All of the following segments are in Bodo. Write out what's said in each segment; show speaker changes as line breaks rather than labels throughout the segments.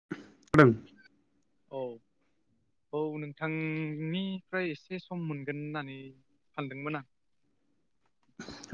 [unintelligible]
औ। औ नोंथांनिफ्राय एसे सम मोनगोन होननानै सानदोंमोन आं।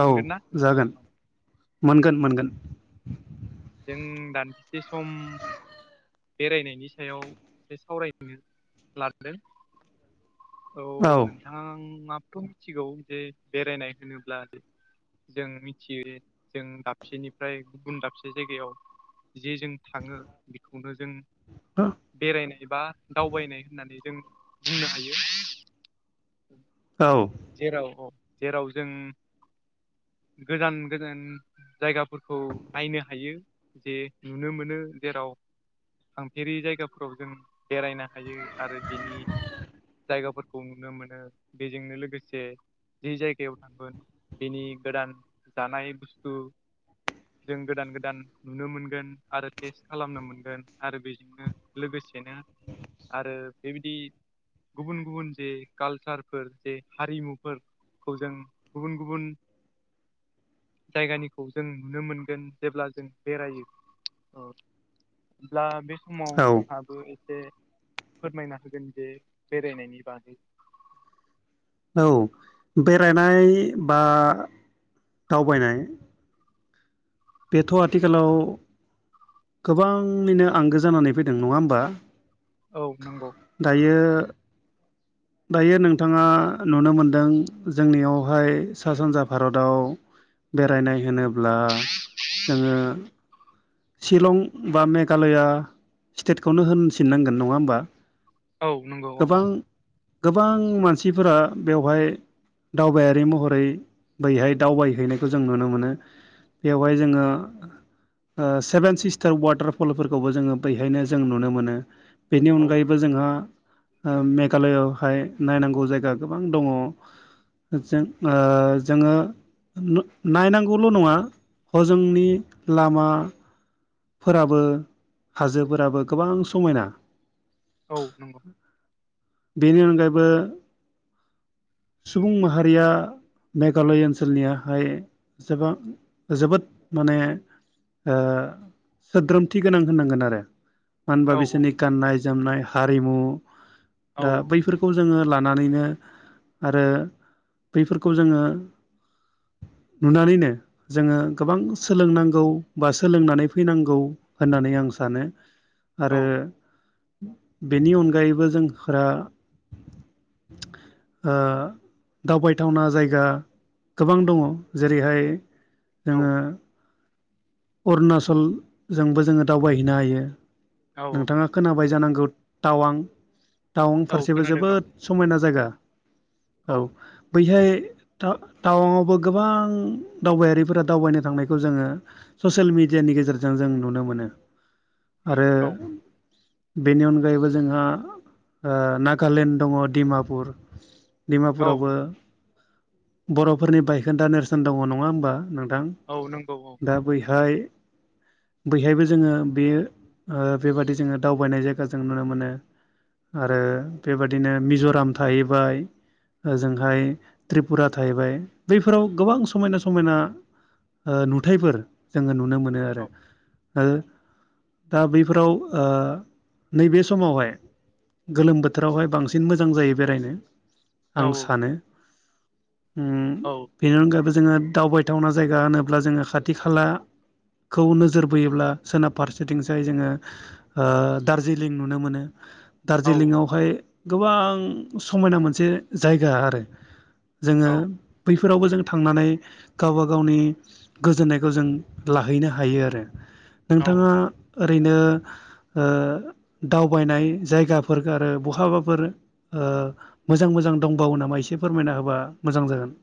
औ
मोनगोन ना
जागोन
औ।
मोनगोन मोनगोन।
जों दान्दिसे सम बेरायनायनि सायाव एसे सावरायनो लादों औ नोंथाङाबाथ' मिथिगौ जे बेरायनाय होनोब्लाे जों मिथियो जों दाबसेनिफ्राय गुबुन दाबसे जे जायगायाव जे जों थाङो बेखौनो जों
हा
बेरायनाय बा दावबायनाय होननानै जों बुंनो हायो उ [inaudible]
औ
जेराव औ जेराव जों गोजान गोजान जायगाफोरखौ नायनो हायो जे नुनो मोनो जेराव थांफेरि जायगाफोराव जों बेरायनो हायो आरो बिनि जायगाफोरखौ नुनो मोनो बेजोंनो लोगोसे जे जि जायगायाव थांगोन बिनि गोदान जानाय बुस्थु जों गोदान गोदान नुनो मोनगोन आरो टेस्ट खालामनो मोनगोन आरो बेजोंनो लबैनो आरो बेबायदि गुबुन गुबुन जे कालचारफोर जे हारिमुफोरखौ जों गुबुन गुबुन जायगानिखौ जों नुनो मोनगोन जेब्ला जों बेरायो औ मब्ला बि समाव
औ
नोंहाबो एसे फोरमायना होगोन जे बेरायनायनि बागै
औ बेरायनाय बा दावबायनाय बेथ' आथिखालाव गोबाङैनो आंगो जानानै फैदों नङा होमबा
औ नंगौ
दायो दायो नोंथाङा नुनो मोनदों जोंनियावहाय सा सानजा भारताव बेरायनाय होनोब्ला जोङो सिलं बा मेघालया स्टेटखौनो होनफिनांगोन नङा होमबा
औ नंगौ औ
गोबां गोबां मानसिफोरा बेवहाय दावबायारि महरै बैहाय दावबायहैनायखौ जों नुनो मोनो बेवहाय जोङो सेभेन सिस्टार वाटारफलफोरखौबो जोङो बहायनो जों नुनो मोनो बेनि
औ
अनगायैबो बो जोंहा ओ मेघालयआवहाय नायनांगौ जायगा गोबां दङ जों ओ जोङो नायनांगौल' नङा हजोंनि लामा फोराबो हाजोफोराबो गोबां समायना
औ नोंगौ
बेनि अनगायैबो सुबुं माहारिया मेघालय ओनसोलनियाहाय एसेबां जोबोद माने ओ सोद्रोमथि गोनां होननांगोन आरो मानो
औ
होनबा बिसोरनि गाननाय जोमनाय हारिमु
औ
दा बैफोर खौ जोङो लानानैनो आरो बैफोरखौ जोङो नुनानैनो जोङो गोबां सोलोंनांगौ बा सोलोंनानै फैनांगौ होननानै आं सानो
औ
आरो बेनि अनगायैबो जोंफोरा ओ दावबायथावना जायगा गोबां दङ जेरैहाय
औ
जोङो अरुणाचलजोंबो जोङो दावबायहैनो हायो
औ
नोंथाङा खोनाबाय जानांगौ टावां टावां
औ
फारसेबो
खोनादों औ
जोबोद समायना जायगा औ बैहाय टा टावाङावबो गोबां दावबायारिफोरा दावबायनो थांनायखौ जोङो ससेल मिडियानि गेजेरजों जों नुनो मोनो आरो
औ
बेनि अनगायैबो जोंहा ओ नागालेण्ड दङ डिमापुर
औ
डिमापुरावबो बर'फोरनि बायखोन्दा नेरेसोन दङ नङा होमबा नोंथां?
औ नोंगौ औ नोंगौ
इहाय बैहायबो जोङो बेयो ओ बेबादि जोङो दावबायनाय जायगा जों नुनो मोनो आरो बेबादिनो मिज'राम थाहैबाय ओजोंहाय त्रिपुरा थाहैबाय बैफोराव गोबां समायना समायना ओ नुथायफोर जोङो नुनो मोनो आरो
औ
ओ दा बैफोराव ओ नैबे समावहाय गोलोम बोथोरावहाय बांसिन मोजां जायो बेरायनो
औ
आं सानो उम
औ
बेनि अनगायैबो जोङो दावबायथावना जायगा होनोब्ला जोङो खाथि खाला खौ नोजोर बोयोब्ला सोनाब फारसेथिंसाय जोङो ओ दार्जिलिं नुनो मोनो
औ
दार्जिलिंआवहाय गोबां समायना मोनसे जायगा आरो जोङो
औ
बैफोरावबो जों थांनानै गावबा गावनि गोजोननाय खौ जों लाहैनो हायो आरो
औ
नोंथाङा ओरैनो ओ दावबायनाय जायगाफोर आरो बहाबाफोर ओ मोजां मोजां दंबावो नामा एसे फोरमायना होबा मोजां जागोन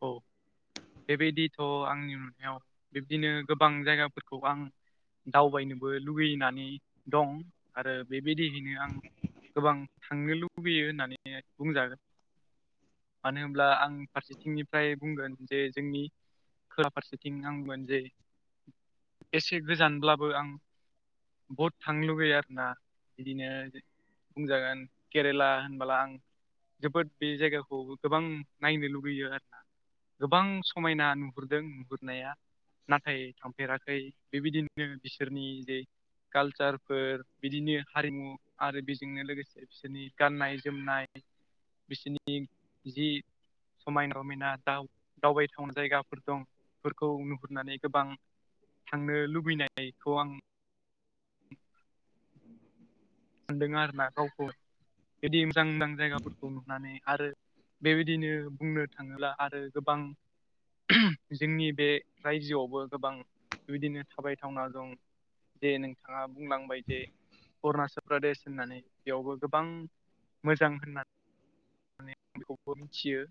औ बेबायदिथ' आंनि नुनायाव बिब्दिनो गोबां जायगाफोरखौ आं दावबायनोबो लुगैनानै दं आरो बेबायदियैनो आं गोबां थांनो लुबैयो होननानै बुंजागोन मानो होनब्ला आंनि फारसे थिंनिफ्राय बुंगोन जे जोंनि खोला फारसेथिं आंमोन जायो एसे गोजानब्लाबो आं बहुद थांनो लगैयो आरो ना बिदिनो बुंजागोन केरेला होनबोला आं जोबोद बे जायगाखौ गोबां नायनो लु लुुबैयो आरोना गोबां समायना नुहुरदों नुहुरनाया नाथाय थांफेराखै बेबायदिनो बिसोरनि दि कालचारफोर बिदिनो हारिमु आरो बिजोंनो लोगोसे बिसोरनि गाननाय जोमनाय बिसोरनि जि समायना रमायना दाव दावबायथावना जायगाफोर दंफोरखौ नुहुरनानै गोबां थांनो लुबैनायखौ आं सानदों आरो ना गावखौ बिदि मोजां मोजां जायगाफोरखौ नुनानै आरो बेबायदिनो बुंनो थाङोब्ला आरो गोबां जोंनि बे रायजोआवबो गोबां बिदिनो थाबायथावना दं जे नोंथाङा बुंलांबाय जे अरुणाचल प्रदेश होननानै बेयावबो गोबां मोजां होननानै माने आं बेखौबो मिथियो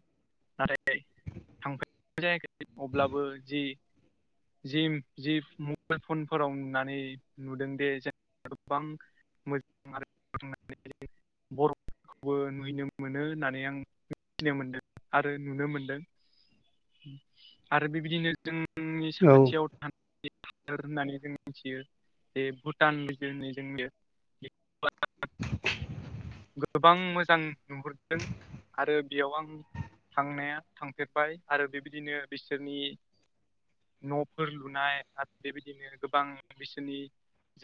नाथाय थांफेरनाय जायाखै अब्लाबो जि जिम जि मबाइल फनफोराव नुनानै नुदोंदि जों गोबां [unintelligible] बर' खौबो नुहैनो मोनो होननानै आं मिथिनो मोनदों आरो नुनो मोनदों आरो बेबायदिनो जोंनि
औ
साखाथियाव थाना [unintelligible] होननानै जों मिथियो बे भुटान [unintelligible] जोंनि गोबां मोजां नुहुरदों आरो बेयाव आं थांनाया थांफेरबाय आरो बेबायदिनो बिसोरनि न'फोर लुनाय आरो बेबायदिनो गोबां बिसोरनि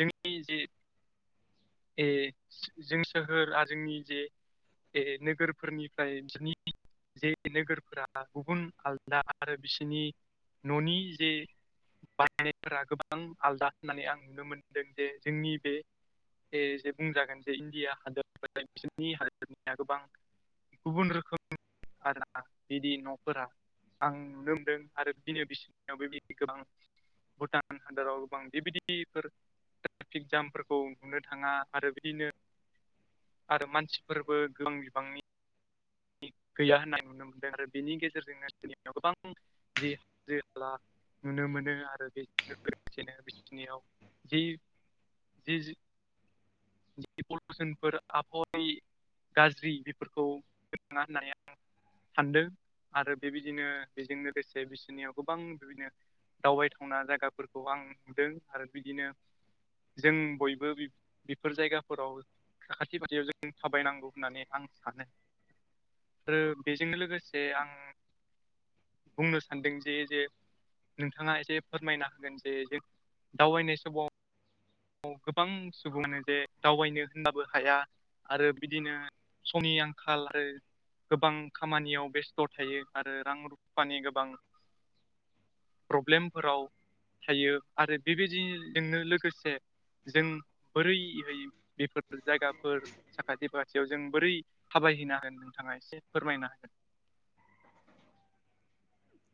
जोंनि जे जों सोहोर आरो जोंनि जे ए नोगोरफोरनिफ्राय बिसोरनि जे नोगोरफोरा गुबुन आलदा आरो बिसोरनि न'नि जे बायनायफोरा गोबां आलादा होननानै आं नुनो मोनदों जे जोंनि बे ए जे बुंजागोन जे इण्डिया हादोरफोरा बिसोरनि हादोरनिया गोबां गुबुन रोखोम आ बिदि न'फोरा आं लोमदों आरो बिनो बिसावबो बि गोबां भुटान हादराव गोबां बे बिदिफोर ट्राफिक जामफोरखौ नुनो थाङा आरो बिदिनो आरो मानसिफोरबो गोबां बिबांनि गैया होननाय नुनो मोनदों आरो बिनि गेजेरजोंनो जनि गोबां जि [unintelligible] नुनो मोनो आरो [unintelligible] जि जि पलिउसनफोर आबहावाय गाज्रि बेफोरखौ मोना होननानै आं सानदों आरो बेबायदिनो बेजों लोगोसे बिसोरनियाव गोबां बिबायदिनो दावबायथावना जायगाफोरखौ आं नुदों आरो बिदिनो जों बयबो बेफोर जायगाफोराव साखाथि फाखाथियाव जों थाबायनांगौ होननानै आं सानो आरो बेजों लोगोसे आं बुंनो सानदों जे जे नोंथाङा एसे फोरमायना होगोन जे जों दावबायनाय समाव औ गोबां सुबुङानो जे दावबायनो होनबाबो हाया आरो बिदिनो समनि आंखाल आरो गोबां खामानियाव बेस्थ' थायो आरो रां रुफानि गोबां प्रब्लेमफोराव थायो आरो बेबायदिजोंनो लोगोसे जों बोरैहै बेफोर जायगाफोर साखाथि फाखाथि जयाव जों बोरै थाबायहैनो हागोन नोंथाङा एसे फोरमायनो हागोन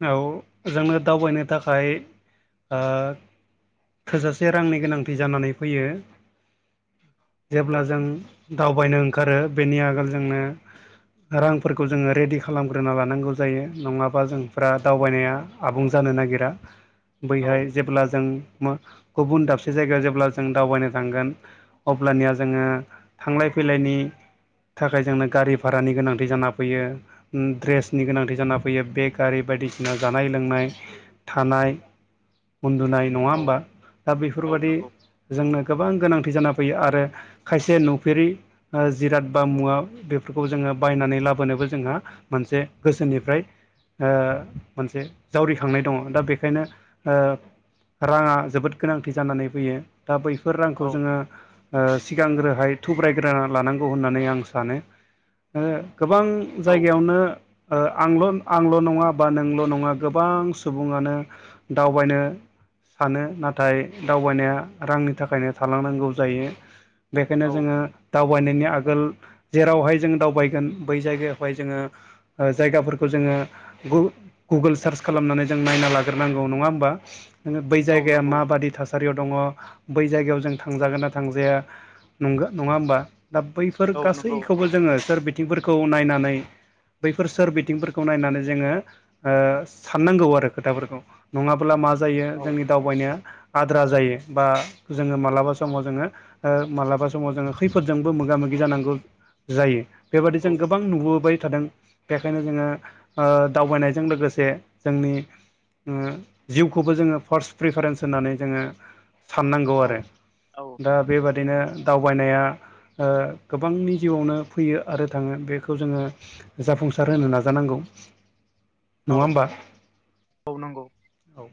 औ जोङो दावबायनो थाखाय थोजासे रांनि गोनांथि जानानै फैयो जेब्ला जों दावबायनो ओंखारो बेनि आगोल जोंनो रांफोरखौ जोङो रेडि खालामग्रोना लानांगौ जायो नङाबा जों फोरा दावबायनाया आबुं जानो नागिरा
औ
बैहाय जेब्ला जों गुबुन दाबसे जायगायाव जेब्ला जों दावबायनो थांगोन अब्लानिया जोङो थांलाय फैलायनि थाखाय जोंनो गारि भारानि गोनांथि जाना फैयो ड्रेसनि गोनांथि जाना फैयो बेग गारि बायदिसिना जानाय लोंनाय थानाय उन्दुनाय नङा
औ
होमबा दा
औ
बेफोरबायाददि
नंगौ
जोंनो गोबां गोनांथि जाना फैयो आरो खायसे नुफेरि जिराद बा मुवा बेफोरखौ जोङो बायनानै लाबोनोबो जोंहा मोनसे गोसोनिफ्राय मोनसे जावरिखांनाय दङ दा बेखायनो राङा जोबोद गोनांथि जानानै फैयो। दा बैफोर रांखौ
औ
जोङो सिगांग्रोहाय थुब्रायग्रोना लानांगौ होननानै आं सानो गोबां
औ
जायगायावनो आंल' आंल' नङा बा नोंल' नङा गोबां सुबुङानो दावबायनो सानो नाथाय दावबायनाया रांनि थाखायनो थालांनांगौ जायो बेखायनो
औ
जोङो दावबायनायनि आगोल जेरावहाय जोंङो दावबायगोन बै जायगायावहाय जोङो ओ जायगाफोरखौ जोङो गुगोल सार्च खालामनानै जों नायना लाग्रोनांगौ नङा होमबा नोङ बै
औ
जायगाया
नंगौ
म बादि थास थासारियाव दङ बै जायगायाव जों थांजागोन ना थांजाया नं नङा होमबा दा बैफोर
औ नंगौ
गासैखौबो जोङो सोर बिथिंफोरखौ नायनानै बैफोर सोर बिथिंफोरखौ नायनानै जों जोङो ओ साननांगौ आरो खोथाफोरखौ नङाबा मा जायो
औ
जोंनि दावबायनाया आद्रा जायो बा जोङो मालाबा
औ
समाव जोङो मालाबा समाव जोङो खैफोजोंबो मोगा मोगि जानांगौ जायो बेबादि जों
औ
गोबां नुबोबाय थादों बेखायनो जोङो दावबायनायजों लोगोसे जोंनि जिउखौबो जोङो फार्स्ट प्रिफारेन्स होननानै जोङो साननांगौ आरो
औ औ
दा बेबादिनो दावबायनाया गोबांनि जिउआवनो फैयो आरो थाङो बेखौ जोङो जाफुंसार होनो नाजानांगौ। नङा
औ
होमबा
औ नांगौ
औ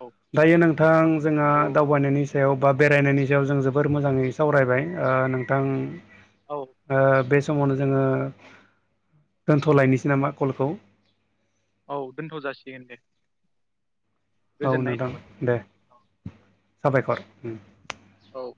औ
दायो नोंथां जोंहा
औ
दावबायनायनि सायाव बा बेरायनायनि सायाव जों जोबोर मोजाङै सावरायबाय, नोंथां
औ
बे समावनो जोङो दोनथ'लायनोसै नामा कलखौ
औ दोनथ' जासिगोन दे
औ
गोजोननाय
नोंथां
थाबाय
दे
औ
साबायखर।
औ